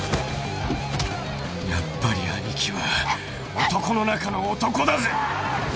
やっぱりアニキは男の中の男だぜ！